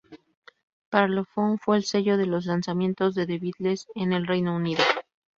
Parlophone fue el sello de los lanzamientos de The Beatles en el Reino Unido.